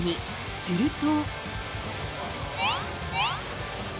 すると。